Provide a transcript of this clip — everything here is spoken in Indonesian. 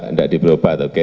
enggak diberi obat oke